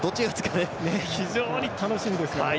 非常に楽しみです。